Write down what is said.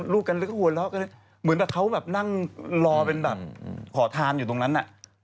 ดูถวังขอทานอยู่ตรงนั้น